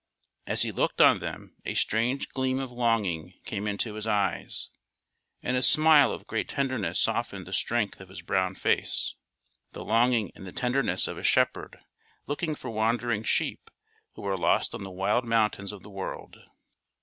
As he looked on them a strange gleam of longing came into his eyes and a smile of great tenderness softened the strength of his brown face the longing and the tenderness of a shepherd looking for wandering sheep who are lost on the wild mountains of the world.